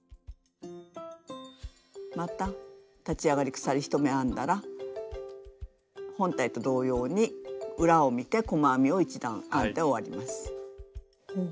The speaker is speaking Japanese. また立ち上がり鎖１目編んだら本体と同様に裏を見て細編みを１段編んで終わります。